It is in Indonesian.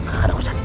akan aku cari